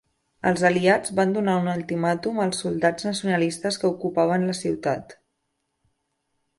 Els aliats van donar un ultimàtum als soldats nacionalistes que ocupaven la ciutat.